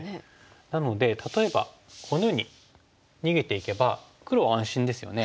なので例えばこのように逃げていけば黒は安心ですよね。